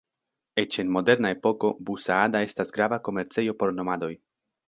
Eĉ en moderna epoko, Bu-Saada estas grava komercejo por nomadoj.